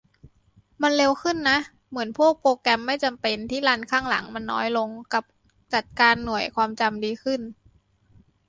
มันเร็วขึ้นนะ เหมือนพวกโปรแกรมไม่จำเป็นที่รันข้างหลังมันน้อยลง กับจัดการหน่วยความจำดีขึ้น